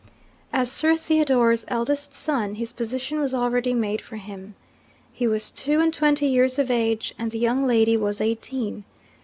As Sir Theodore's eldest son, his position was already made for him. He was two and twenty years of age; and the young lady was eighteen.